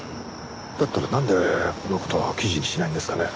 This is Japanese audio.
だったらなんでこの事を記事にしないんですかね？